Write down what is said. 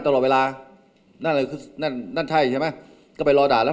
ตลอดเวลานั่นคือนั่นใช่ใช่ไหมก็ไปรอด่ารัฐบาล